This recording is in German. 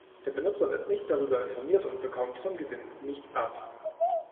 Der Benutzer wird nicht darüber informiert und bekommt vom Gewinn nichts ab.